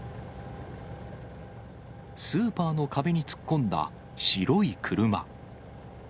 スーパーの壁に突っ込んだ白い車。